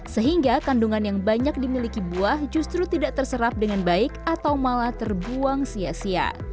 sehingga kandungan yang banyak dimiliki buah justru tidak terserap dengan baik atau malah terbuang sia sia